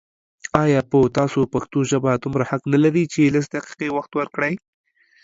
آيا په تاسو پښتو ژبه دومره حق نه لري چې لس دقيقې وخت ورکړئ